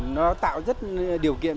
nó tạo rất điều kiện